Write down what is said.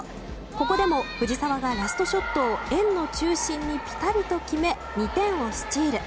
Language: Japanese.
ここでも藤澤がラストショットを円の中心にぴたりと決め２点をスチール。